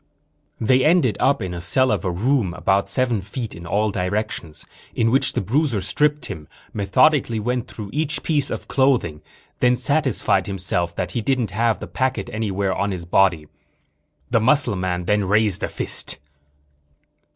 They ended up in a cell of a room, about seven feet in all directions, in which the bruiser stripped him, methodically went through each piece of clothing, and then satisfied himself that he didn't have the packet anywhere on his body. The muscle man then raised a fist.